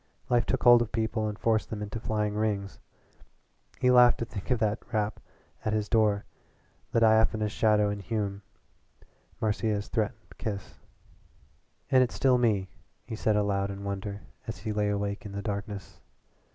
Life took hold of people and forced them into flying rings. He laughed to think of that rap at his door, the diaphanous shadow in Hume, Marcia's threatened kiss. "And it's still me," he said aloud in wonder as he lay awake in the darkness.